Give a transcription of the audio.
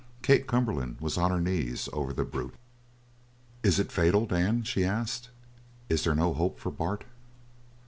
Kate Cumberland was on her knees over the brute. "Is it fatal, Dan?" she asked. "Is there no hope for Bart?"